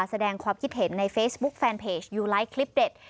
แสดงความคิดเห็นในเฟซบุ๊คแฟนเพจยูไลท์คลิปเด็ด